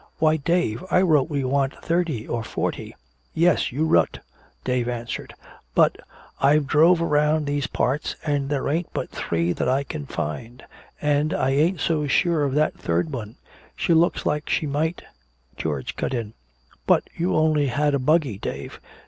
Why, Dave, I wrote we want thirty or forty!" "Yes you wrut," Dave answered. "But I've druv all around these parts and there ain't but three that I can find. And I ain't so sure of that third one. She looks like she might " George cut in. "But you only had a buggy, Dave!